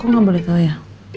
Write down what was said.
kok gak boleh tau ya